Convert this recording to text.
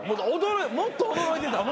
もっと驚いてた。